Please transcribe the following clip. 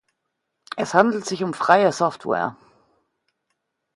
Es handelt sich um freie Software.